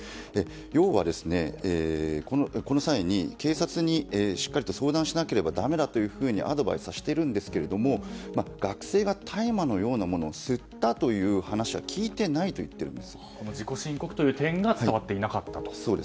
要は、この際に警察にしっかりと相談しなければだめだというふうにアドバイスさせてるんですけど学生が大麻のようなものを吸ったという話は自己申告という点が伝わっていなかったと。